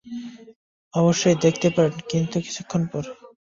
অবশ্যই দেখতে পারেন, কিন্তু, কিছুক্ষন পর।